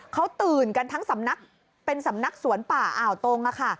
เขาตื่นกันทั้งสำนักเป็นสำนักสวนป่าอ่าวตรงค่ะ